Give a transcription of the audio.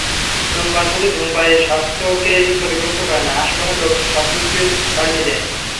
ধূমপান শুধু ধূমপায়ীর স্বাস্থ্যকেই ক্ষতিগ্রস্ত করে না, আশপাশের লোকজনের স্বাস্থ্যঝুঁকিও বাড়িয়ে দেয়।